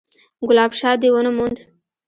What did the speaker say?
_ګلاب شاه دې ونه موند؟